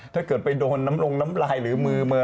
ถ้าเกิดไปโดนน้ำลงน้ำลายหรือมือ